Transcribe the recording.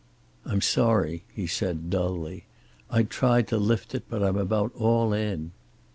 "I'm sorry," he said, dully, "I tried to lift it, but I'm about all in."